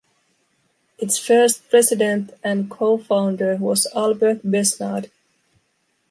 Its first president and co-founder was Albert Besnard.